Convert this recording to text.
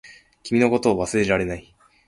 君のことを忘れられない